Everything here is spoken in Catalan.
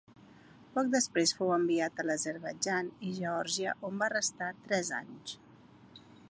Poc després fou enviat a l'Azerbaidjan i Geòrgia on va restar tres anys.